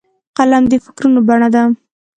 قلم د فکرونو بڼه ده